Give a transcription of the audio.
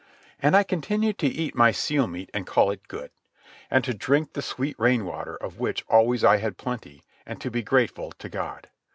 And I continued to eat my seal meat and call it good, and to drink the sweet rainwater of which always I had plenty, and to be grateful to God.